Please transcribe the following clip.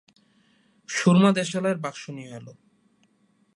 সুরমা দেশালাইয়ের বাক্স নিয়ে এল।